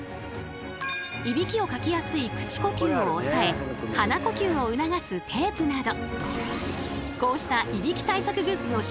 いびきをかきやすい口呼吸を抑え鼻呼吸を促すテープなど。